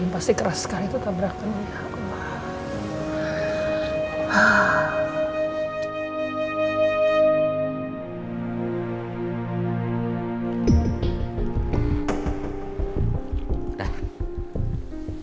pasti keras sekali ketabrakan